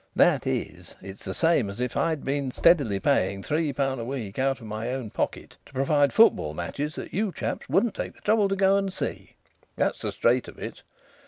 That is, it's the same as if I'd been steadily paying three pun' a week out of my own pocket to provide football matches that you chaps wouldn't take the trouble to go and see. That's the straight of it!